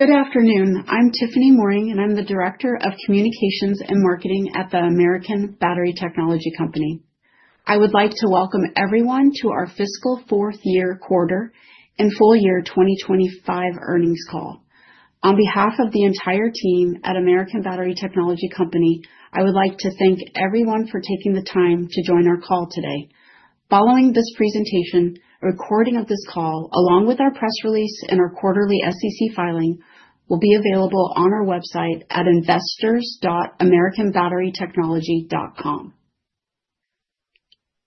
Good afternoon. I'm Tiffiany Moehring, and I'm the Director of Communications and Marketing at the American Battery Technology Company. I would like to welcome everyone to our fiscal fourth quarter and full year 2025 earnings call. On behalf of the entire team at American Battery Technology Company, I would like to thank everyone for taking the time to join our call today. Following this presentation, a recording of this call, along with our press release and our quarterly SEC filing, will be available on our website at investors.americanbatterytechnology.com.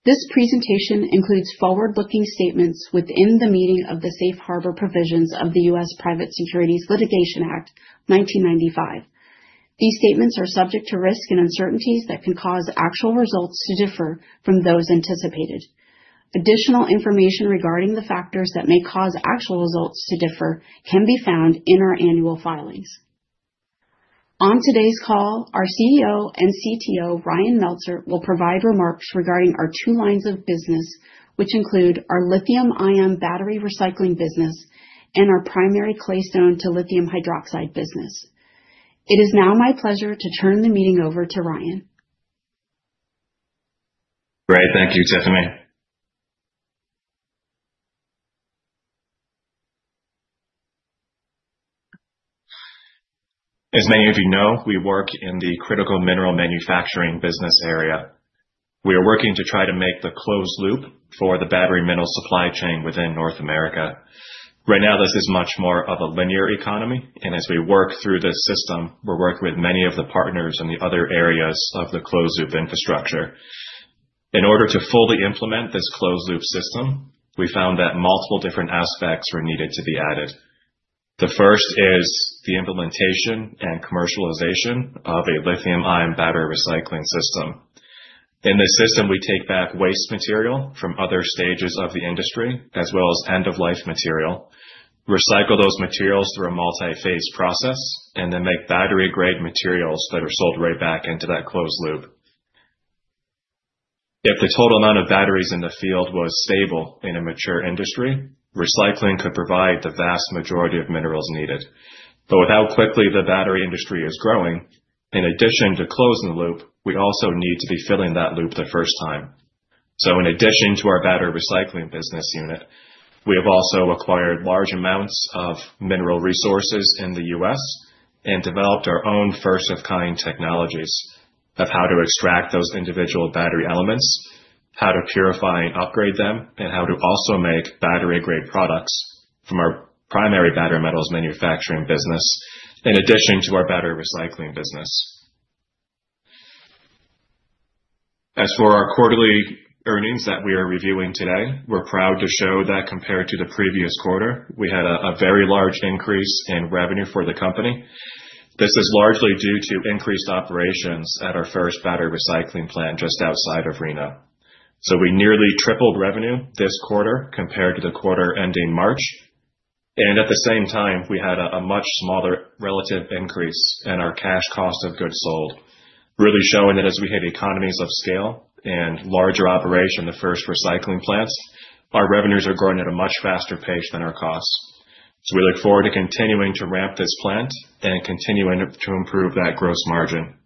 This presentation includes forward-looking statements within the meaning of the safe harbor provisions of the U.S. Private Securities Litigation Act, 1995. These statements are subject to risk and uncertainties that can cause actual results to differ from those anticipated. Additional information regarding the factors that may cause actual results to differ can be found in our annual filings. On today's call, our CEO and CTO, Ryan Melsert, will provide remarks regarding our two lines of business, which include our lithium-ion battery recycling business and our primary claystone to lithium hydroxide business. It is now my pleasure to turn the meeting over to Ryan. Great. Thank you, Tiffiany. As many of you know, we work in the critical mineral manufacturing business area. We are working to try to make the closed loop for the battery mineral supply chain within North America. Right now, this is much more of a linear economy, and as we work through this system, we're working with many of the partners in the other areas of the closed loop infrastructure. In order to fully implement this closed loop system, we found that multiple different aspects were needed to be added. The first is the implementation and commercialization of a lithium-ion battery recycling system. In this system, we take back waste material from other stages of the industry, as well as end-of-life material, recycle those materials through a multi-phase process, and then make battery-grade materials that are sold right back into that closed loop. If the total amount of batteries in the field was stable in a mature industry, recycling could provide the vast majority of minerals needed. But the battery industry is growing quickly. In addition to closing the loop, we also need to be filling that loop the first time. So in addition to our battery recycling business unit, we have also acquired large amounts of mineral resources in the U.S. and developed our own first-of-a-kind technologies of how to extract those individual battery elements, how to purify and upgrade them, and how to also make battery-grade products from our primary battery metals manufacturing business, in addition to our battery recycling business. As for our quarterly earnings that we are reviewing today, we're proud to show that compared to the previous quarter, we had a very large increase in revenue for the company. This is largely due to increased operations at our first battery recycling plant just outside of Reno, so we nearly tripled revenue this quarter compared to the quarter ending March, and at the same time, we had a much smaller relative increase in our cash cost of goods sold, really showing that as we have economies of scale and larger operation in the first recycling plants, our revenues are growing at a much faster pace than our costs, so we look forward to continuing to ramp this plant and continuing to improve that gross margin.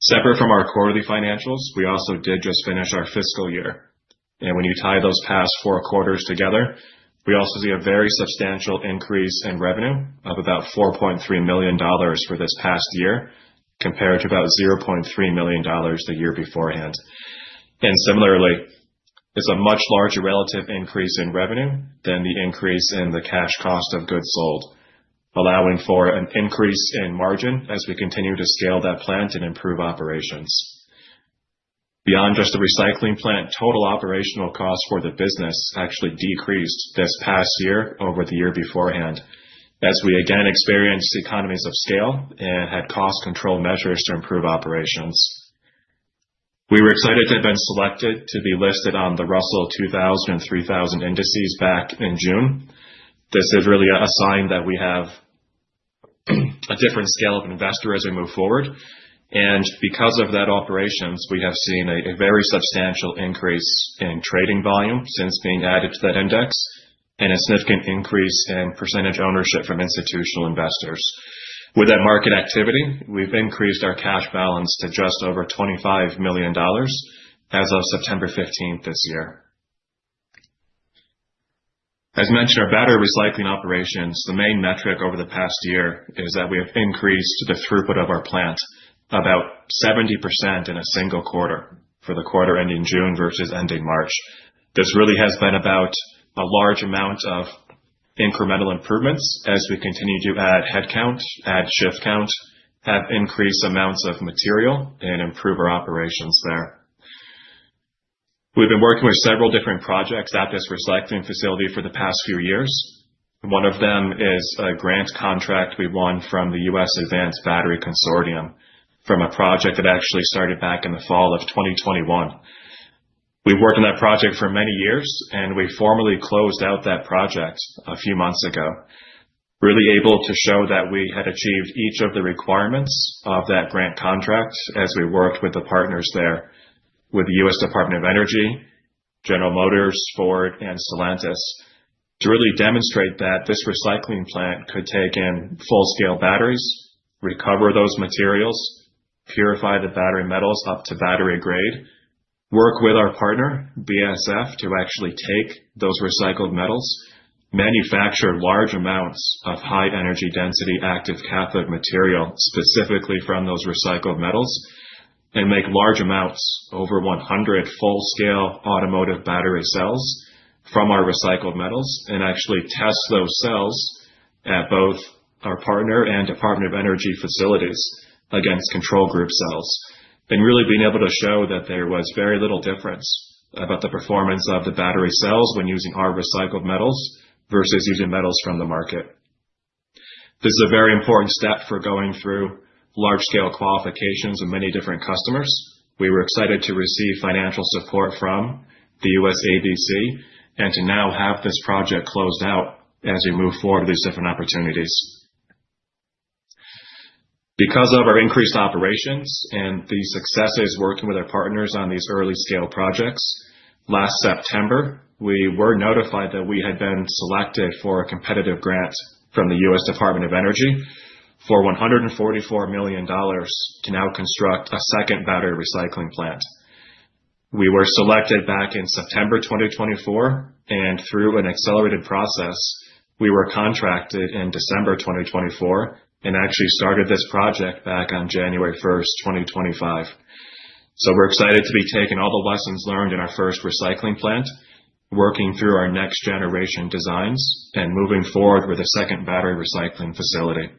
Separate from our quarterly financials, we also did just finish our fiscal year, and when you tie those past four quarters together, we also see a very substantial increase in revenue of about $4.3 million for this past year compared to about $0.3 million the year beforehand. Similarly, it's a much larger relative increase in revenue than the increase in the cash cost of goods sold, allowing for an increase in margin as we continue to scale that plant and improve operations. Beyond just the recycling plant, total operational costs for the business actually decreased this past year over the year beforehand as we again experienced economies of scale and had cost control measures to improve operations. We were excited to have been selected to be listed on the Russell 2000 and 3000 indices back in June. This is really a sign that we have a different scale of investor as we move forward. Because of that, operations, we have seen a very substantial increase in trading volume since being added to that index and a significant increase in percentage ownership from institutional investors. With that market activity, we've increased our cash balance to just over $25 million as of September 15th this year. As mentioned, our battery recycling operations, the main metric over the past year is that we have increased the throughput of our plant about 70% in a single quarter for the quarter ending June versus ending March. This really has been about a large amount of incremental improvements as we continue to add headcount, add shift count, have increased amounts of material, and improve our operations there. We've been working with several different projects at this recycling facility for the past few years. One of them is a grant contract we won from the U.S. Advanced Battery Consortium from a project that actually started back in the fall of 2021. We've worked on that project for many years, and we formally closed out that project a few months ago, really able to show that we had achieved each of the requirements of that grant contract as we worked with the partners there, with the U.S. Department of Energy, General Motors, Ford, and Stellantis, to really demonstrate that this recycling plant could take in full-scale batteries, recover those materials, purify the battery metals up to battery-grade, work with our partner, BASF, to actually take those recycled metals, manufacture large amounts of high-energy density active cathode material specifically from those recycled metals, and make large amounts, over 100 full-scale automotive battery cells from our recycled metals, and actually test those cells at both our partner and Department of Energy facilities against control group cells, and really being able to show that there was very little difference about the performance of the battery cells when using our recycled metals versus using metals from the market. This is a very important step for going through large-scale qualifications of many different customers. We were excited to receive financial support from the U.S. ABTC and to now have this project closed out as we move forward to these different opportunities. Because of our increased operations and the successes working with our partners on these early-scale projects, last September, we were notified that we had been selected for a competitive grant from the U.S. Department of Energy for $144 million to now construct a second battery recycling plant. We were selected back in September 2024, and through an accelerated process, we were contracted in December 2024 and actually started this project back on January 1st, 2025. So we're excited to be taking all the lessons learned in our first recycling plant, working through our next-generation designs, and moving forward with a second battery recycling facility.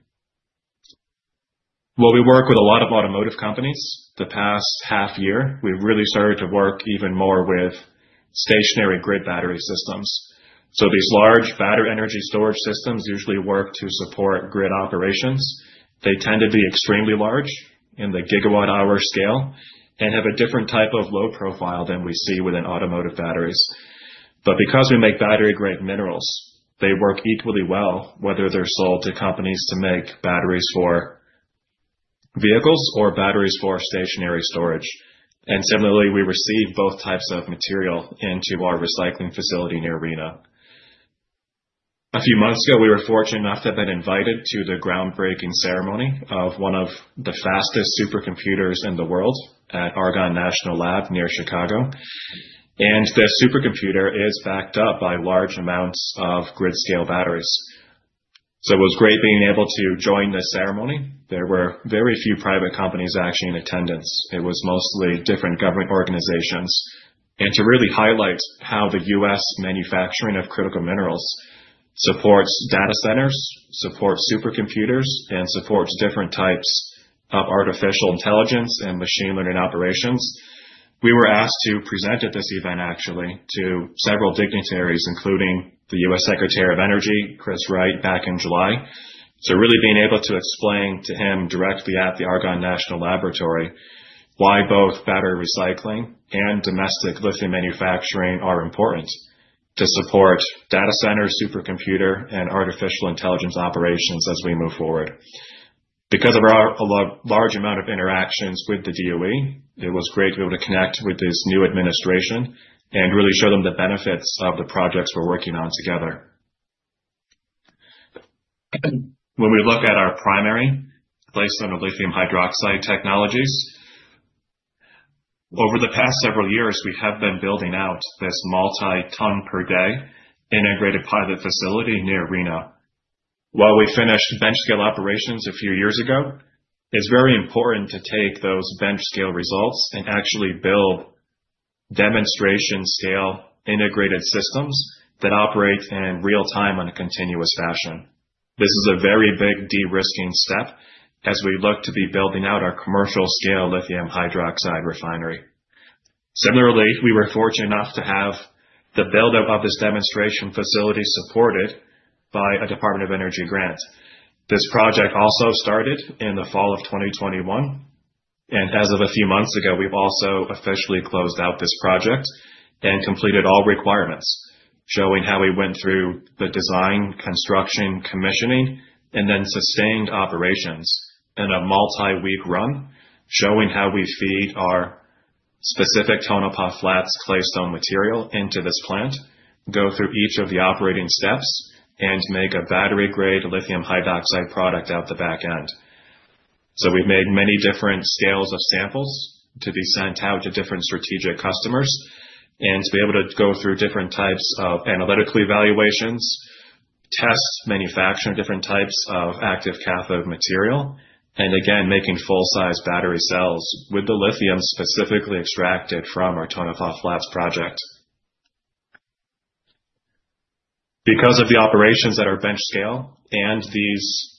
While we work with a lot of automotive companies, the past half year, we've really started to work even more with stationary grid battery systems. These large battery energy storage systems usually work to support grid operations. They tend to be extremely large in the gigawatt-hour scale and have a different type of load profile than we see within automotive batteries. But because we make battery-grade minerals, they work equally well whether they're sold to companies to make batteries for vehicles or batteries for stationary storage. And similarly, we receive both types of material into our recycling facility near Reno. A few months ago, we were fortunate enough to have been invited to the groundbreaking ceremony of one of the fastest supercomputers in the world at Argonne National Lab near Chicago. And the supercomputer is backed up by large amounts of grid-scale batteries. So it was great being able to join the ceremony. There were very few private companies actually in attendance. It was mostly different government organizations. And to really highlight how the U.S. manufacturing of critical minerals supports data centers, supports supercomputers, and supports different types of artificial intelligence and machine learning operations, we were asked to present at this event actually to several dignitaries, including the U.S. Secretary of Energy, Chris Wright, back in July. So really being able to explain to him directly at the Argonne National Laboratory why both battery recycling and domestic lithium manufacturing are important to support data center, supercomputer, and artificial intelligence operations as we move forward. Because of our large amount of interactions with the DOE, it was great to be able to connect with this new administration and really show them the benefits of the projects we're working on together. When we look at our primary claystone to lithium hydroxide technologies, over the past several years, we have been building out this multi-ton-per-day integrated pilot facility near Reno. While we finished bench-scale operations a few years ago, it's very important to take those bench-scale results and actually build demonstration-scale integrated systems that operate in real-time in a continuous fashion. This is a very big de-risking step as we look to be building out our commercial-scale lithium hydroxide refinery. Similarly, we were fortunate enough to have the buildup of this demonstration facility supported by a Department of Energy grant. This project also started in the fall of 2021. And as of a few months ago, we've also officially closed out this project and completed all requirements, showing how we went through the design, construction, commissioning, and then sustained operations in a multi-week run, showing how we feed our specific Tonopah Flats claystone material into this plant, go through each of the operating steps, and make a battery-grade lithium hydroxide product out the back end. So we've made many different scales of samples to be sent out to different strategic customers and to be able to go through different types of analytical evaluations, test manufacturing different types of active cathode material, and again, making full-size battery cells with the lithium specifically extracted from our Tonopah Flats project. Because of the operations at our bench scale and these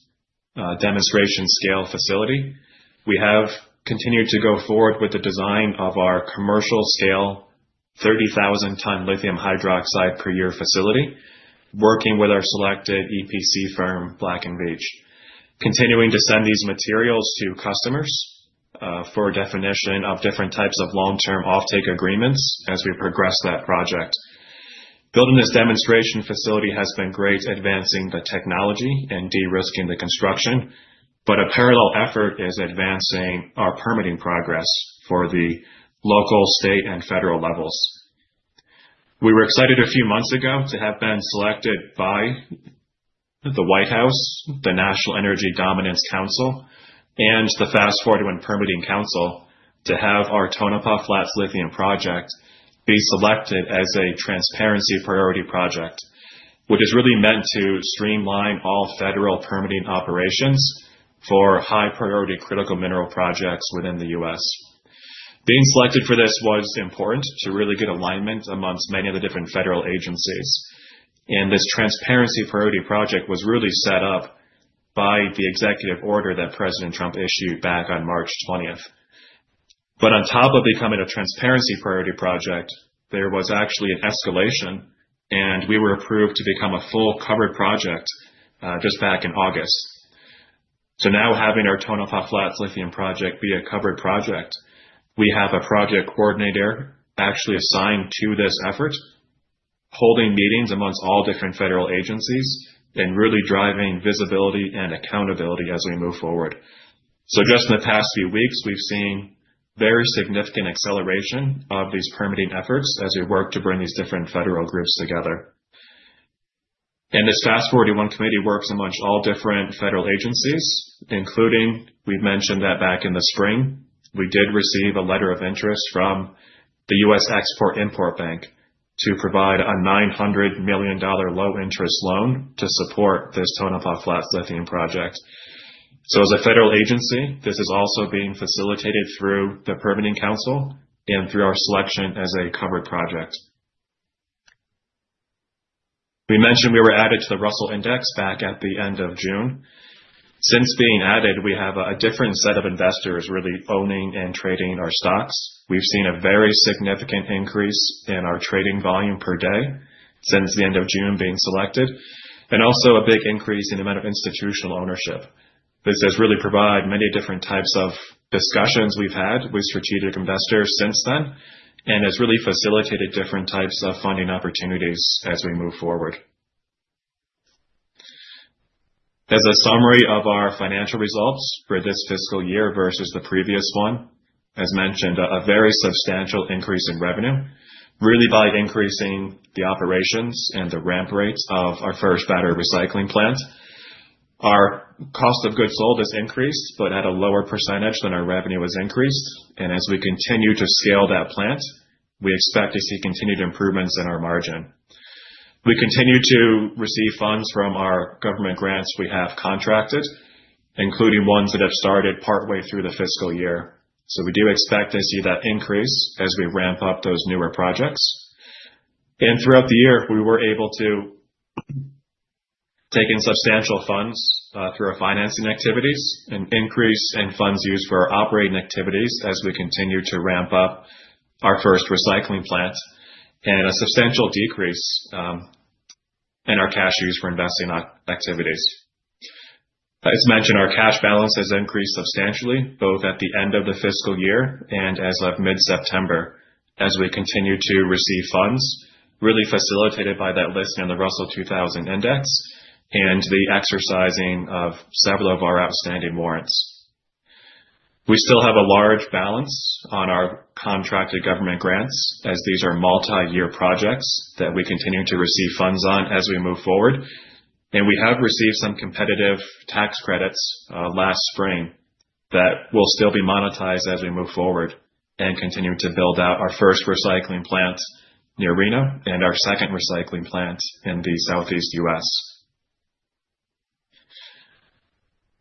demonstration-scale facility, we have continued to go forward with the design of our commercial-scale 30,000-ton lithium hydroxide per year facility, working with our selected EPC firm, Black & Veatch, continuing to send these materials to customers for definition of different types of long-term offtake agreements as we progress that project. Building this demonstration facility has been great advancing the technology and de-risking the construction, but a parallel effort is advancing our permitting progress for the local, state, and federal levels. We were excited a few months ago to have been selected by the White House, the National Energy Dominance Council, and the FAST-41 Permitting Council to have our Tonopah Flats Lithium Project be selected as a transparency priority project, which is really meant to streamline all federal permitting operations for high-priority critical mineral projects within the U.S. Being selected for this was important to really get alignment amongst many of the different federal agencies, and this transparency priority project was really set up by the executive order that President Trump issued back on March 20th, but on top of becoming a transparency priority project, there was actually an escalation, and we were approved to become a full covered project just back in August, so now having our Tonopah Flats Lithium Project be a covered project, we have a project coordinator actually assigned to this effort, holding meetings amongst all different federal agencies, and really driving visibility and accountability as we move forward, so just in the past few weeks, we've seen very significant acceleration of these permitting efforts as we work to bring these different federal groups together. And this FAST-41 Permitting Council works among all different federal agencies, including we've mentioned that back in the spring, we did receive a letter of interest from the U.S. Export-Import Bank to provide a $900 million low-interest loan to support this Tonopah Flats lithium project. So as a federal agency, this is also being facilitated through the Permitting Council and through our selection as a covered project. We mentioned we were added to the Russell Index back at the end of June. Since being added, we have a different set of investors really owning and trading our stocks. We've seen a very significant increase in our trading volume per day since the end of June being selected, and also a big increase in the amount of institutional ownership. This has really provided many different types of discussions we've had with strategic investors since then, and has really facilitated different types of funding opportunities as we move forward. As a summary of our financial results for this fiscal year versus the previous one, as mentioned, a very substantial increase in revenue, really by increasing the operations and the ramp rates of our first battery recycling plant. Our cost of goods sold has increased, but at a lower percentage than our revenue has increased. And as we continue to scale that plant, we expect to see continued improvements in our margin. We continue to receive funds from our government grants we have contracted, including ones that have started partway through the fiscal year. So we do expect to see that increase as we ramp up those newer projects. And throughout the year, we were able to take in substantial funds through our financing activities and increase in funds used for our operating activities as we continue to ramp up our first recycling plant and a substantial decrease in our cash used for investing activities. As mentioned, our cash balance has increased substantially, both at the end of the fiscal year and as of mid-September, as we continue to receive funds, really facilitated by that listing on the Russell 2000 Index and the exercising of several of our outstanding warrants. We still have a large balance on our contracted government grants, as these are multi-year projects that we continue to receive funds on as we move forward. We have received some competitive tax credits last spring that will still be monetized as we move forward and continue to build out our first recycling plant near Reno and our second recycling plant in the Southeast U.S.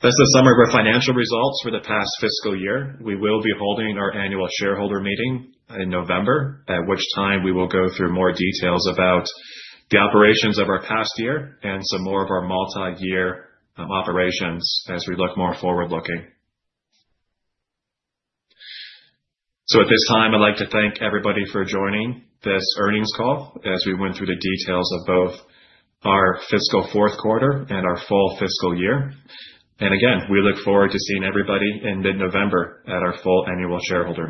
That's a summary of our financial results for the past fiscal year. We will be holding our annual shareholder meeting in November, at which time we will go through more details about the operations of our past year and some more of our multi-year operations as we look more forward-looking. At this time, I'd like to thank everybody for joining this earnings call as we went through the details of both our fiscal fourth quarter and our full fiscal year. We look forward to seeing everybody in mid-November at our full annual shareholder meeting.